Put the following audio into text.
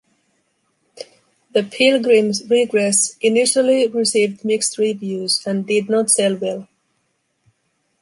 "The Pilgrim's Regress" initially received mixed reviews and did not sell well.